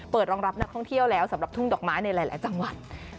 รองรับนักท่องเที่ยวแล้วสำหรับทุ่งดอกไม้ในหลายจังหวัด